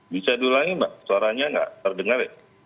bisa diulangi mbak suaranya nggak terdengar ya